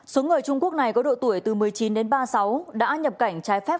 số người trung quốc này có độ tuổi từ một mươi chín đến ba mươi sáu đã nhập cảnh trái phép